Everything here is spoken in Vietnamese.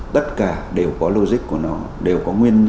tất cả đều có logic của nó đều có nguyên do của nó